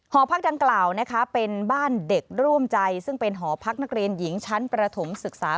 หอพักดังกล่าวนะคะเป็นบ้านเด็กร่วมใจซึ่งเป็นหอพักนักเรียนหญิงชั้นประถมศึกษา